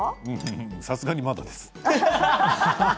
さすがに、まだです。